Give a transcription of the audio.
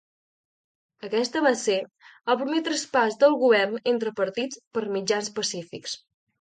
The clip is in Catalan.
Aquesta va ser el primer traspàs del govern entre partits per mitjans pacífics.